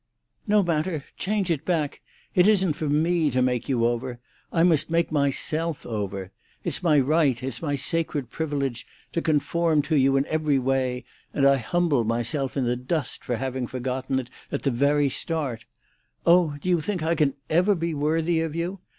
"No matter! Change it back! It isn't for me to make you over. I must make myself over. It's my right, it's my sacred privilege to conform to you in every way, and I humble myself in the dust for having forgotten it at the very start. Oh, do you think I can ever be worthy of you?